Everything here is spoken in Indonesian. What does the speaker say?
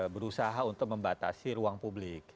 berusaha untuk membatasi ruang publik